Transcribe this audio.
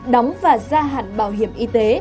đóng và gia hạn bảo hiểm y tế